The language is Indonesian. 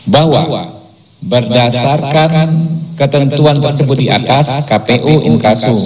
bahwa berdasarkan ketentuan tersebut di atas kpu inkasu